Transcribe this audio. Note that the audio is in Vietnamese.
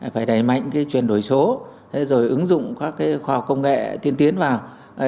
phải đẩy mạnh chuyển đổi số rồi ứng dụng các khoa học công nghệ tiên tiến vào